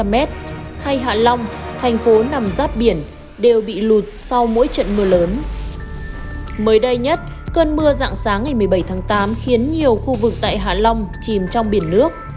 mới đây nhất cơn mưa dạng sáng ngày một mươi bảy tháng tám khiến nhiều khu vực tại hạ long chìm trong biển nước